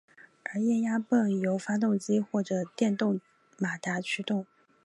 而液压泵由发动机或者电动马达驱动。